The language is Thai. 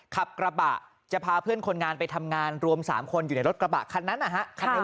ขับกระบะจะพาเพื่อนคนงานไปทำงานรวม๓คนอยู่ในรถกระบะคันนั้นนะฮะ